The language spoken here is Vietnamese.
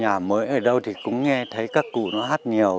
đi đâu có đám cưới đám nhà mới ở đâu thì cũng nghe thấy các cụ nó hát nhiều